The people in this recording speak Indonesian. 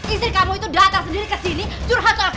istri kamu itu datang sendiri ke sini curhat soal kelakuan kamu